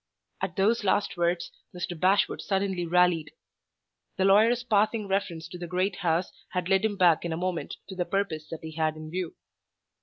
At those last words, Mr. Bashwood suddenly rallied. The lawyer's passing reference to the great house had led him back in a moment to the purpose that he had in view.